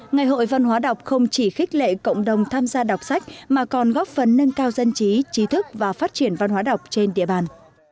ngày hội văn hóa đọc không chỉ khích lệ cộng đồng tham gia đọc sách mà còn góp phần nâng cao dân trí trí thức và phát triển văn hóa đọc trên địa bàn